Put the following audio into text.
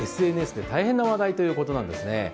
ＳＮＳで大変な話題ということなんですね。